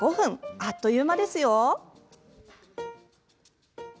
あっという間ですよ。